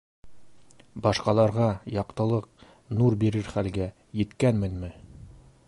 Башҡаларға яҡтылыҡ, нур бирер хәлгә еткәнменме?